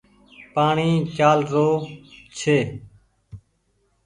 پآڻيٚ چآل رو ڇي۔